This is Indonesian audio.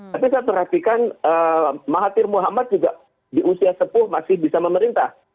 tapi saya perhatikan mahathir muhammad juga di usia sepuh masih bisa memerintah